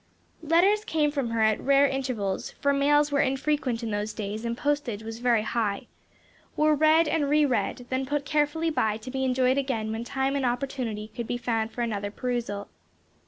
Letters came from her at rare intervals for mails were infrequent in those days and postage was very high were read and re read, then put carefully by to be enjoyed again when time and opportunity could be found for another perusal.